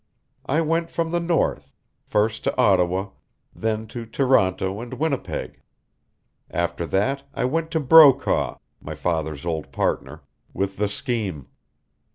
I went from the north, first to Ottawa, then to Toronto and Winnipeg. After that I went to Brokaw, my father's old partner, with the scheme.